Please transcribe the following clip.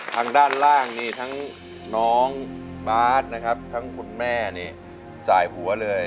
ทางด้านล่างนี่ทั้งน้องบาทนะครับทั้งคุณแม่นี่สายหัวเลย